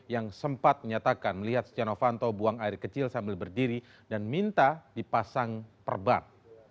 yang sempat menyatakan melihat stiano fanto buang air kecil sambil berdiri dan minta dipasang perban